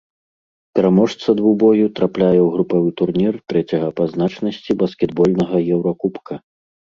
Пераможца двубою трапляе ў групавы турнір трэцяга па значнасці баскетбольнага еўракубка.